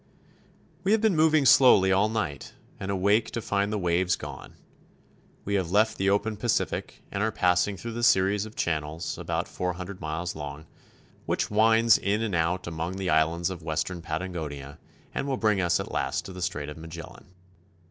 WE have been moving slowly all night, and awake to find the waves gone. We have left the open Pacific^ and are passing through the series of channels, about four hundred miles long, which winds in and out among the islands of western Patagonia and will bring us at last to the Strait of Magellan.